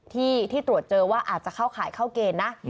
ที่ตรวจเจอว่าอาจจะเข้าข่ายเข้าเกณฑ์นะ